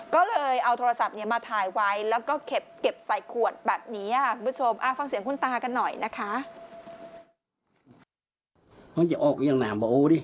ก็เลยเอาโทรศัพท์มาถ่ายไว้แล้วก็เก็บใส่ขวดแบบนี้คุณผู้ชม